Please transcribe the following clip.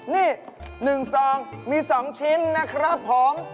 นี่๑ซองมี๒ชิ้นนะครับผม